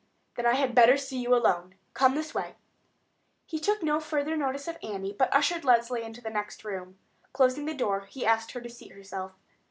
"Then I had better see you alone. Come this way." He took no further notice of Annie, but ushered Leslie into the next room. Closing the door, he asked her to seat herself.